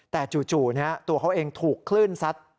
แต่จู่ตัวเขาเองถูกคลื่นซัด